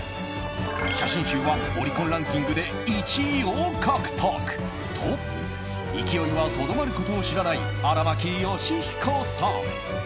写真集はオリコンランキングで１位を獲得と勢いはとどまることを知らない荒牧慶彦さん。